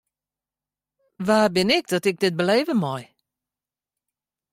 Wa bin ik dat ik dit belibje mei?